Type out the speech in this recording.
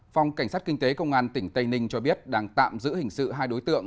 phòng cảnh sát kinh tế công an tỉnh tây ninh cho biết đang tạm giữ hình sự hai đối tượng